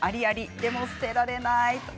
でも、捨てられない。